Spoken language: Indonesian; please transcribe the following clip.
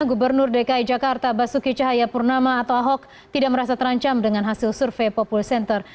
gubernur dki jakarta basuki cahayapurnama atau ahok tidak merasa terancam dengan hasil survei populis center